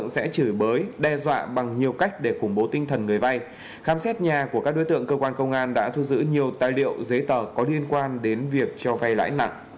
xin chào và hẹn gặp lại